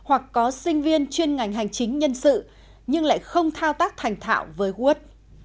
hoặc có sinh viên chuyên ngành hành chính nhân sự nhưng lại không thao tác thành thạo với word